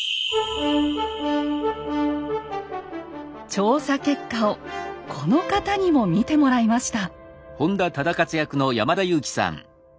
調査結果をこの方にも見てもらいました。